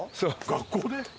学校で。